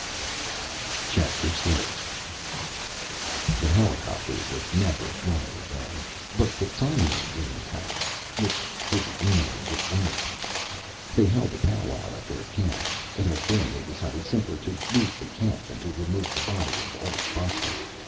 VI The helicopter would never fly again, but the time unit was intact. Which didn't mean that it would work. They held a powwow at their camp site. It had been, they decided, simpler to move the camp than to remove the body of Old Buster.